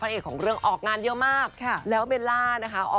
เอกของเรื่องออกงานเยอะมากแล้วเบลล่านะคะ